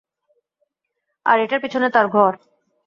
আর এটার পিছনে তার ঘর।